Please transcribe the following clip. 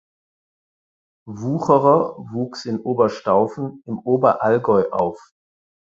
Wucherer wuchs in Oberstaufen im Oberallgäu auf.